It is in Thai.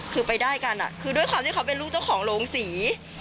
คือไปได้กันคือด้วยความที่เขาเป็นลูกเจ้าของโรงศรี